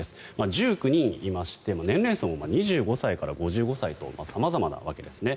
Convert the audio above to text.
１９人いまして年齢層も２５歳から５５歳と様々なわけですね。